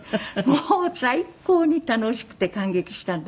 もう最高に楽しくて感激したんですけど。